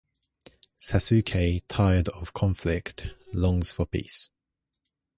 Sasuke, tired of conflict, longs for peace.